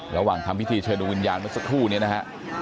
ทำพิธีเชิญดูวิญญาณเมื่อสักครู่นี้นะฮะ